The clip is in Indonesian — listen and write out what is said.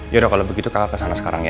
ya udah kalo begitu kakak kesana sekarang ya